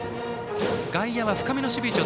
外野は深めの守備位置。